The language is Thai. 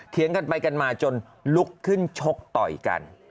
กันไปกันมาจนลุกขึ้นชกต่อยกัน